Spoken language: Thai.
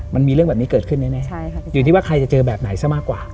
มันมีเรื่องแบบนี้เกิดขึ้นแน่อยู่ที่ว่าใครจะเจอแบบไหนซะมากกว่า